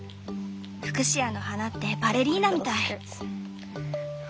フクシアの花ってバレリーナみたい。